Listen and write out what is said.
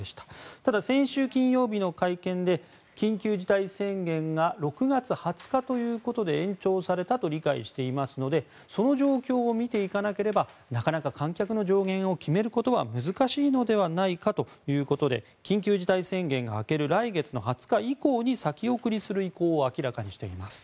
ただ、先週金曜日の会見で緊急事態宣言が６月２０日ということで延長されたと理解していますのでその状況を見ていかなければなかなか観客の上限を決めることは難しいのではないかということで緊急事態宣言が明ける来月の２０日以降に先送りする意向を明らかにしています。